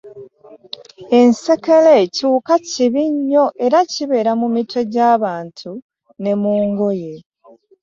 Ensekere kiwuka kibi nnyo era kibeera mu mitwe gyabantu ne mu ngoye.